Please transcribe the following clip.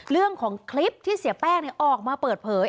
เรื่องของคลิปที่เสียแป้งออกมาเปิดเผย